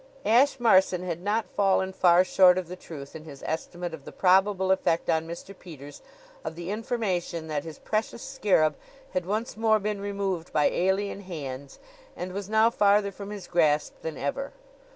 Ashe Marson had not fallen far short of the truth in his estimate of the probable effect on Mr. Peters of the information that his precious scarab had once more been removed by alien hands and was now farther from his grasp than ever.